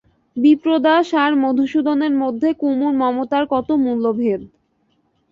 বিপ্রদাস আর মধুসূদনের মধ্যে কুমুর মমতার কত মূল্যভেদ!